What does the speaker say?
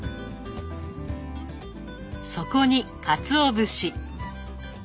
そこにかつお節。